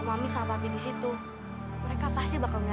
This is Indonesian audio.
kamu dah pulang sayang